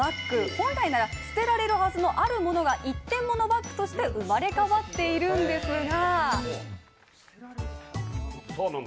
本来なら捨てられるはずのあるものが一点もののバッグとして生まれ変わっているんですが。